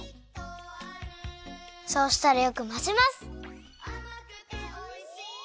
そうしたらよくまぜます。